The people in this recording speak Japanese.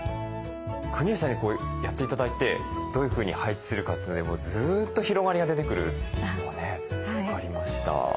国吉さんにやって頂いてどういうふうに配置するかっていうのでもうずっと広がりが出てくるというのがね分かりました。